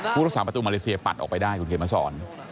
รักษาประตูมาเลเซียปัดออกไปได้คุณเขียนมาสอน